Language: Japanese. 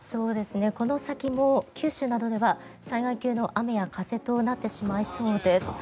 この先も九州などでは災害級の雨や風となってしまいそうです。